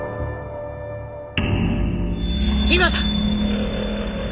今だ！